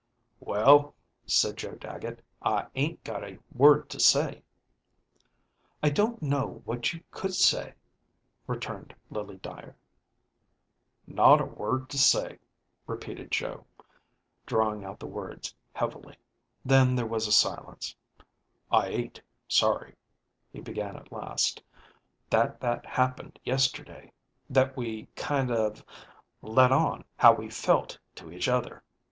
"Well," said Joe Dagget, " I ain't got a word to say." "I donít know what you could say," returned Lily Dver. "Not a word to say," repeated Joe, drawing out the words heavily. Then there was a silence. " I ain't sorry," he began at last, "that that happened yesterdayóthat we kind of let on how we felt to each other.